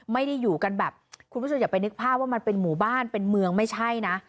ไม่ได้อยู่กันแบบคุณผู้ชมอย่าไปนึกภาพว่ามันเป็นหมู่บ้านเป็นเมืองไม่ใช่นะ